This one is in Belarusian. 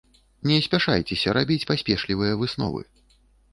Не спяшаецеся рабіць паспешлівыя высновы.